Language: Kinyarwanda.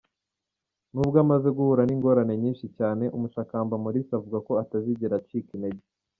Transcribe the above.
Nubwo amaze guhura n’ingorane nyinshi cyane, Umushakamba Maurice avuga ko atazigera acika intenge.